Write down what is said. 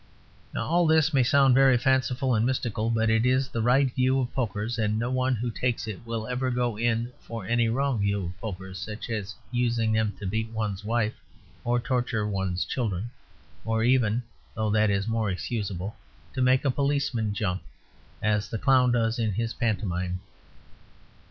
Now all this may sound very fanciful and mystical, but it is the right view of pokers, and no one who takes it will ever go in for any wrong view of pokers, such as using them to beat one's wife or torture one's children, or even (though that is more excusable) to make a policeman jump, as the clown does in the pantomime.